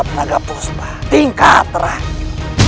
penaga puspa tingkat terakhir